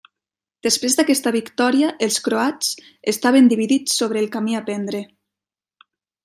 Després d'aquesta victòria, els croats estaven dividits sobre el camí a prendre.